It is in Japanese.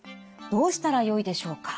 どうしたらよいでしょうか。